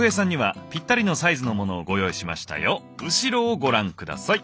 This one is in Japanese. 後ろをご覧下さい！